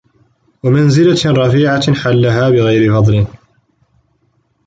وَمَنْزِلَةٍ رَفِيعَةٍ حَلَّهَا بِغَيْرِ فَضْلٍ